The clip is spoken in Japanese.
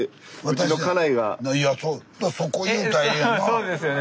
そうですよね。